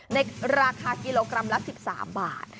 ในราคากิโลกรัมละ๑๓บาท